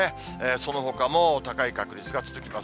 そのほかも高い確率が続きます。